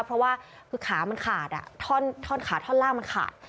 เพราะว่าคือขามันขาดท่อนขาท่อนล่างมันขาด